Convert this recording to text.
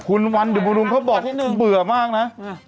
คุณวันอยู่บำรุงเขาบอกเบื่อมากนะ